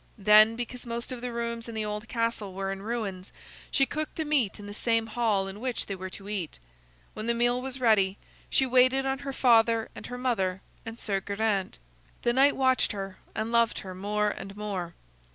Then, because most of the rooms in the old castle were in ruins, she cooked the meat in the same hall in which they were to eat. When the meal was ready, she waited on her father and her mother and Sir Geraint. The knight watched her and loved her more and more.